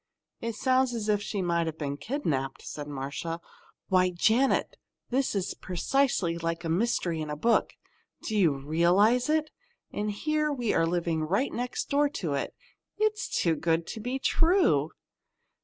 "It sounds as if she might have been kidnapped," said Marcia. "Why, Janet! this is precisely like a mystery in a book. Do you realize it? And here we are living right next door to it! It's too good to be true!"